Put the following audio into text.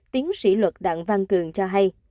tiến sĩ luật đặng văn cường cho hay